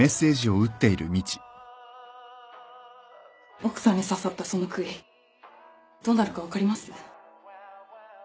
奥さんに刺さったそのくいどうなるか分かります？